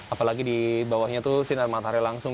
apalagi di bawahnya itu sinar matahari langsung